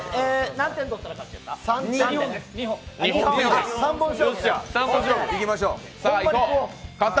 何点取ったら勝ちやった？